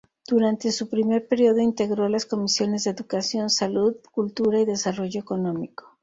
Durante su primer período integró las comisiones de Educación, Salud, Cultura y Desarrollo Económico.